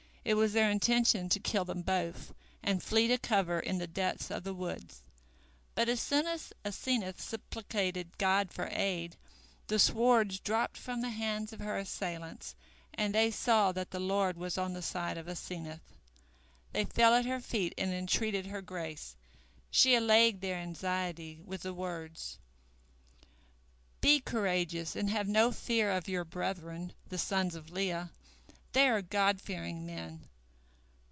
It was their intention to kill them both, and flee to cover in the depths of the woods. But as soon as Asenath supplicated God for aid, the swords dropped from the hands of her assailants, and they saw that the Lord was on the side of Asenath. They fell at her feet and entreated her grace. She allayed their anxiety with the words: "Be courageous and have no fear of your brethren, the sons of Leah. They are God fearing men.